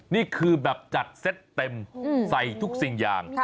นี่คือแบบจัดเซตเต็มใส่ทุกสิ่งอย่าง